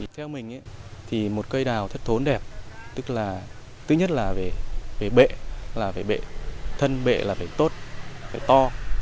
theo mình thì một cây đào thất thốn đẹp tức là thứ nhất là về bệ là phải bệ thân bệ là phải tốt phải to